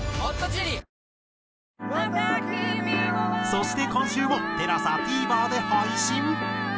そして今週もＴＥＬＡＳＡＴＶｅｒで配信。